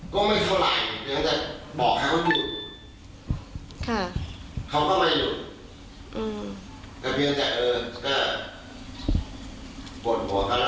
ก็ไม่เท่าไรเพียงแต่บอกให้เค้าพูด